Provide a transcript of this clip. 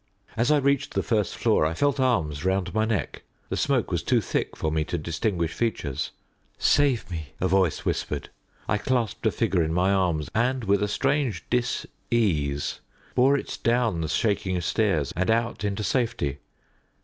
As I reached the first floor I felt arms round my neck. The smoke was too thick for me to distinguish features. "Save me!" a voice whispered. I clasped a figure in my arms, and, with a strange dis ease, bore it down the shaking stairs and out into safety.